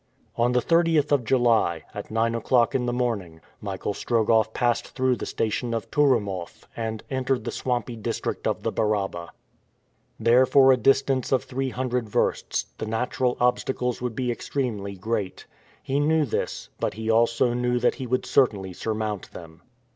On the 30th of July, at nine o'clock in the morning, Michael Strogoff passed through the station of Touroumoff and entered the swampy district of the Baraba. There, for a distance of three hundred versts, the natural obstacles would be extremely great. He knew this, but he also knew that he would certainly surmount them.